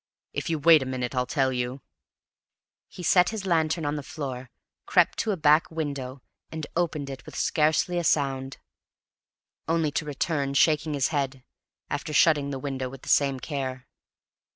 If you wait a minute I'll tell you." He set his lantern on the floor, crept to a back window, and opened it with scarcely a sound: only to return, shaking his head, after shutting the window with the same care.